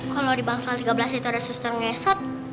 kalau di bangsal tiga belas itu ada suster ngesot